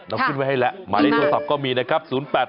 น้องขึ้นไว้ให้แล้วมาได้โทรศัพท์ก็มีนะครับ